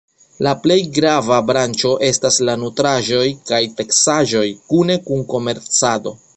La plej grava branĉo estas la nutraĵoj kaj teksaĵoj kune kun komercado.